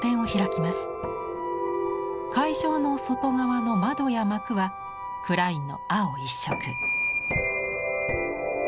会場の外側の窓や幕はクラインの青一色。